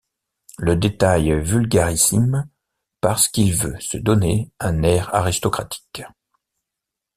Le détail vulgarissime parce qu’il veut se donner un air aristocratique.